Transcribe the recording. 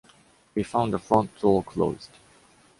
We found the front door closed.